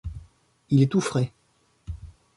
Il est tout frais.